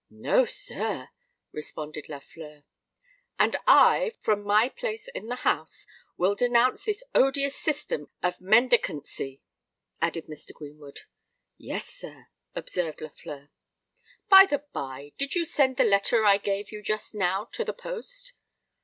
"No, sir," responded Lafleur. "And I, from my place in the House, will denounce this odious system of mendicancy," added Mr. Greenwood. "Yes, sir," observed Lafleur. "By the by, did you send the letter I gave you just now to the post?"